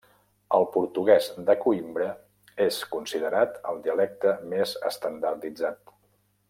El portugués de Coïmbra és considerat el dialecte més estandarditzat.